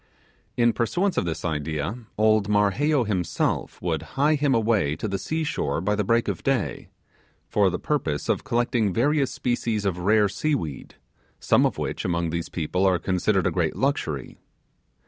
In pursuance of this idea, old Marheyo himself would hie him away to the sea shore by the break of day, for the purpose of collecting various species of rare sea weed; some of which among these people are considered a great luxury.